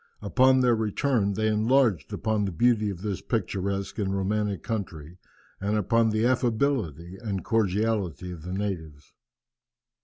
Upon their return they enlarged upon the beauty of this picturesque and romantic country, and upon the affability and cordiality of the natives.